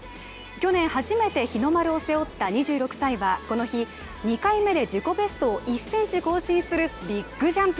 去年初めて日の丸を背負った２６歳はこの日、２回目で自己ベストを１ｃｍ更新するビッグジャンプ。